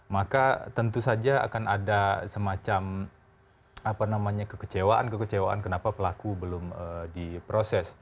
maka tentu saja akan ada semacam kekecewaan kekecewaan kenapa pelaku belum diproses